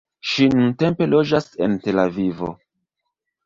Ŝi nuntempe loĝas en Tel Avivo.